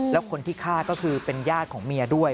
แล้วคนที่ฆ่าก็คือเป็นญาติของเมียด้วย